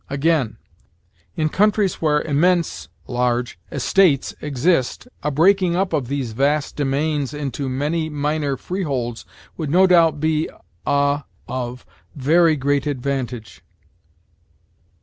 Again: "In countries where immense [large] estates exist, a breaking up of these vast demesnes into many minor freeholds would no doubt be a [of] very great advantage."